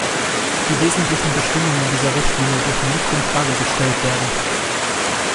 Die wesentlichen Bestimmungen dieser Richtlinie dürfen nicht in Frage gestellt werden.